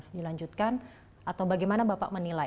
dilanjutkan atau bagaimana bapak menilai